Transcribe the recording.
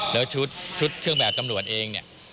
แล้วชุดเครื่องแบบตำรวจเองเนี่ย